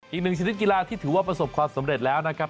อีกหนึ่งชนิดกีฬาที่ถือว่าประสบความสำเร็จแล้วนะครับ